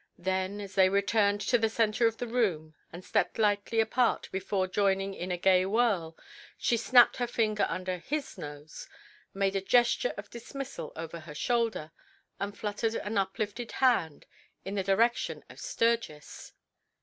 Then, as they returned to the center of the room and stepped lightly apart before joining in a gay whirl, she snapped her fingers under HIS nose, made a gesture of dismissal over her shoulder, and fluttered an uplifted hand in the direction of Sturgis.